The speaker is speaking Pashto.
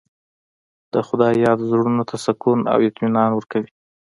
د خدای یاد زړونو ته سکون او اطمینان ورکوي.